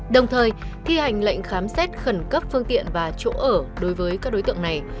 đồng thời thi hành lệnh khám xét khẩn cấp phương tiện và chỗ ở đối với các đối tượng này